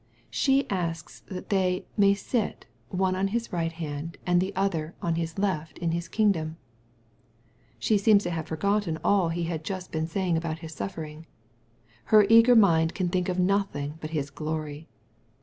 She asks that they ''may sit, one on His right hand, and the other on His left in His kingdom." She seems to have forgotten all He had just been saying about His suffer ing. Her eager mind can think of nothing but His glory.